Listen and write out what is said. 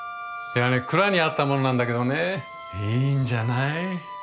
いやね蔵にあったものなんだけどねいいんじゃない。